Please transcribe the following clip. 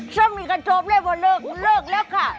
ช่วงนี้กันจบเลยว่าเลิกเลิกแล้วค่ะ